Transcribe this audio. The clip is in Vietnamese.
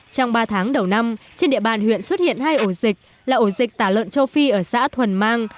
trong ba tháng đầu năm trên địa bàn huyện xuất hiện hai ổ dịch là ổ dịch tả lợn châu phi ở xã thuần mang